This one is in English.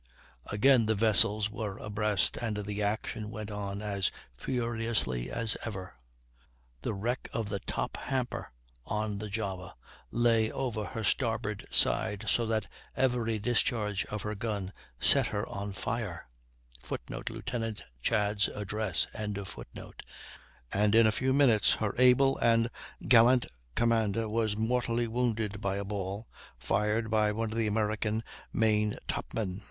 Again the vessels were abreast, and the action went on as furiously as ever. The wreck of the top hamper on the Java lay over her starboard side, so that every discharge of her guns set her on fire, [Footnote: Lieut. Chads' Address.] and in a few minutes her able and gallant commander was mortally wounded by a ball fired by one of the American main top men.